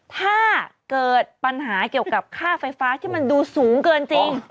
ถ้าเกิดปัญหาเกี่ยวกับค่าไฟฟ้าที่มันดูสูงเกินจริง